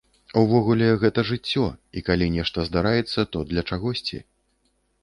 Увогуле, гэта жыццё, і калі нешта здараецца, то для чагосьці.